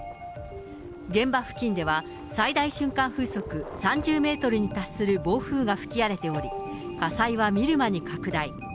現場付近では、最大瞬間風速３０メートルに達する暴風が吹き荒れており、火災は見る間に拡大。